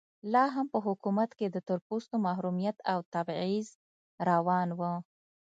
لا هم په حکومت کې د تور پوستو محرومیت او تبعیض روان و.